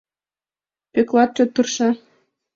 Пӧклат чот тырша.